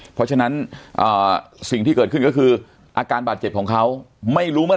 เพราะฉะนั้นสิ่งที่เกิดขึ้นก็คืออาการบาดเจ็บของเขาไม่รู้เมื่อ